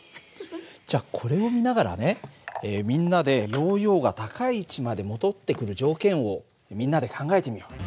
じゃこれを見ながらねみんなでヨーヨーが高い位置まで戻ってくる条件をみんなで考えてみよう。